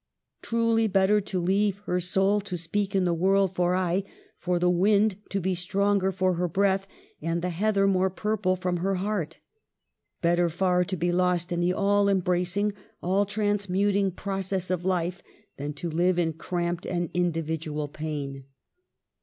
Truly better, to leave her soul to speak in the world for aye, for the wind to be stronger for her breath, and the heather more purple from her heart ; better far to be lost in the all embra cing, all transmuting process of life, than to live in cramped and individual pain.